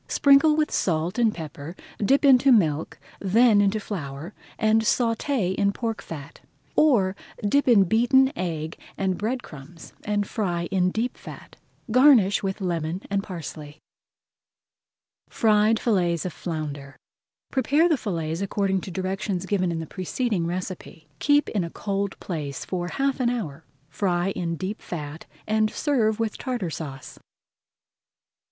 Sprinkle with salt and pepper, dip into milk, then into flour, and sauté in pork fat. Or, dip in beaten egg [Page 144] and bread crumbs and fry in deep fat. Garnish with lemon and parsley. FRIED FILLETS OF FLOUNDER Prepare the fillets according to directions given in the preceding recipe. Keep in a cold place for half an hour, fry in deep fat, and serve with Tartar Sauce.